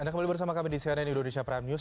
anda kembali bersama kami di cnn indonesia prime news